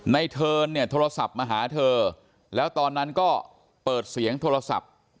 เทิร์นเนี่ยโทรศัพท์มาหาเธอแล้วตอนนั้นก็เปิดเสียงโทรศัพท์